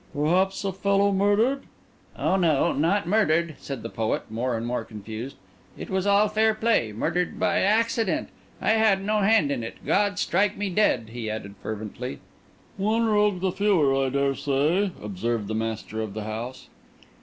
"Perhaps a fellow murdered?" "Oh no, not murdered," said the poet, more and more confused. "It was all fair play—murdered by accident. I had no hand in it, God strike me dead!" he added fervently. "One rogue the fewer, I dare say," observed the master of the house.